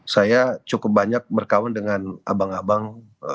saya cukup banyak berkawan dengan abang abang